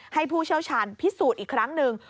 ผู้เชี่ยวชาญพิสูจน์อีกครั้งหนึ่ง